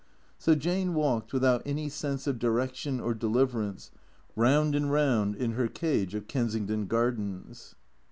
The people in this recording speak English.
So Jane walked, without any sense of direction or deliver ance, round and round in her cage of Kensington Gardens.